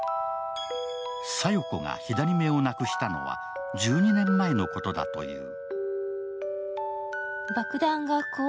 小夜子が左目をなくしたのは、１２年前のことだという。